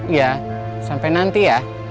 iya sampai nanti ya